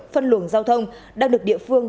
phân luồng giao thông đang được địa phương